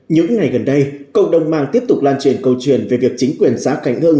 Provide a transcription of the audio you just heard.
những ngày gần đây cộng đồng mang tiếp tục lan truyền câu chuyện về việc chính quyền xã cảnh hương